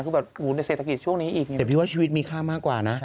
คือแบบหูแต่เศรษฐกิจช่วงนี้อีกไงแต่พี่ว่าชีวิตมีค่ามากกว่านะ